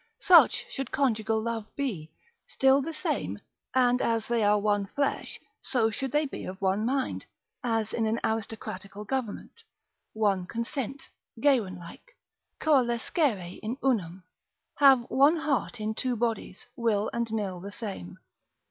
Such should conjugal love be, still the same, and as they are one flesh, so should they be of one mind, as in an aristocratical government, one consent, Geyron like, coalescere in unum, have one heart in two bodies, will and nill the same.